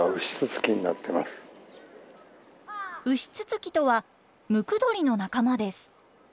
ウシツツキとはムクドリの仲間です。